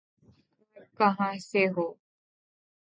آپ کہاں سے ہوں؟